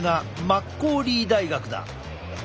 マッコーリー大学。